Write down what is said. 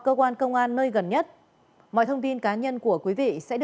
cảm ơn các bạn đã theo dõi và hẹn gặp lại